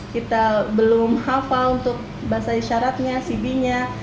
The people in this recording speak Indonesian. kita belum hafal untuk bahasa isyaratnya cb nya